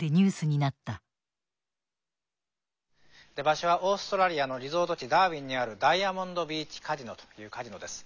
場所はオーストラリアのリゾート地ダーウィンにあるダイヤモンドビーチカジノというカジノです。